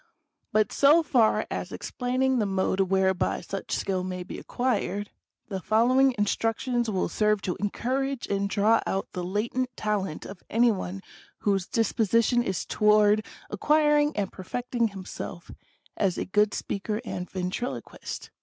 " But so far as explaining the mode whereby such skill may be acquired, the following instructions will serve to encourage and draw out the latent talent of any one whose disposition is toward acquiring and perfecting him self as a good speaker and ventriloquist.